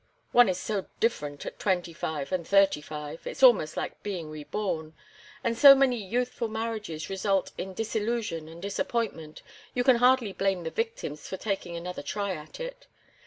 "One is so different at twenty five and thirty five. It is almost like being reborn. And so many youthful marriages result in disillusion and disappointment you can hardly blame the victims for taking another try at it.